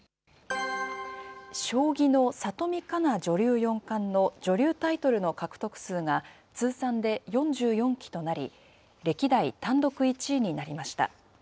将棋の里見香奈女流四冠の女流タイトルの獲得数が通算で４４期となり、歴代単独１位になりました。